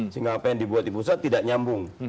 sehingga apa yang dibuat di pusat tidak nyambung